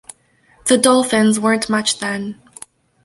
The Dolphins weren't much then.